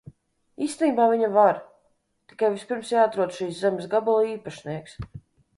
Īstenībā viņa var, tikai vispirms jāatrod šīs zemes gabala īpašnieks.